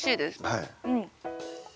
はい。